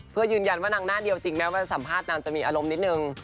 เพื่อยืนยันว่านางหน้าเดียวจริงแม้ว่าสัมภาษณ์นางจะมีอารมณ์นิดนึง